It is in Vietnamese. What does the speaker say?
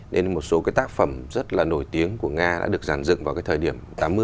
nên một số cái tác phẩm rất là nổi tiếng của nga đã được giàn dựng vào cái thời điểm tám mươi